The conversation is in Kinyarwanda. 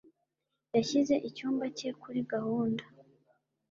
yashyize icyumba cye kuri gahunda